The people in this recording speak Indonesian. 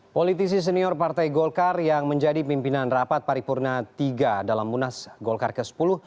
politisi senior partai golkar yang menjadi pimpinan rapat paripurna tiga dalam munas golkar ke sepuluh